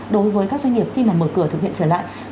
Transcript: đối với các doanh nghiệp khi mà mở cửa thực hiện trở lại